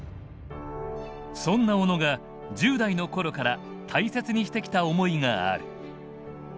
そんな小野が１０代のころから大切にしてきた思いがある。